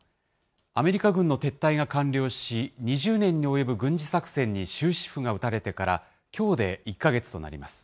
アメリカ軍の撤退が完了し、２０年におよぶ軍事作戦に終止符が打たれてから、きょうで１か月となります。